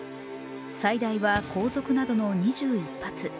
最大は皇族などの２１発。